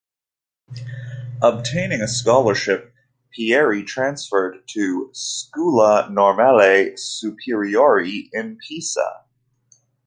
Obtaining a scholarship, Pieri transferred to "Scuola Normale Superiore" in Pisa.